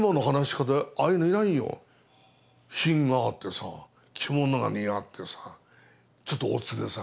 品があってさ着物が似合ってさちょっとおつでさ。